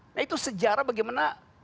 nah itu sejarah bagaimana